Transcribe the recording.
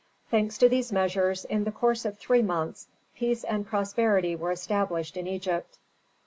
Thanks to these measures, in the course of three months peace and prosperity were established in Egypt.